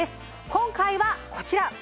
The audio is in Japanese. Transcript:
今回はこちら。